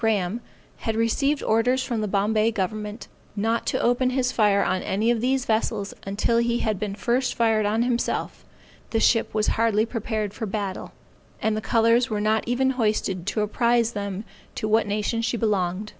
Graham had received orders from the Bombay government, not to open his fire on any of these vessels until he had been first fired on himself, the ship was hardly prepared for battle, and the colors were not even hoisted to apprise them to what nation she belonged.